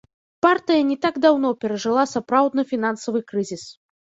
Партыя не так даўно перажыла сапраўдны фінансавы крызіс.